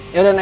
iya itu sama